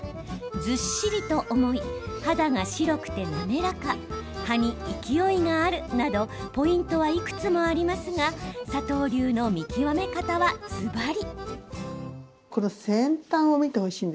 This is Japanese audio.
ずっしりと重い肌が白くて滑らか葉に勢いがあるなどポイントはいくつもありますが佐藤流の見極め方は、ずばり。